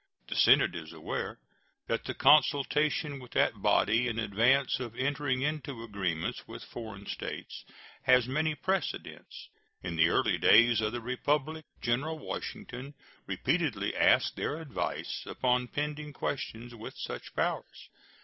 The Senate is aware that the consultation with that body in advance of entering into agreements with foreign states has many precedents. In the early days of the Republic General Washington repeatedly asked their advice upon pending questions with such powers.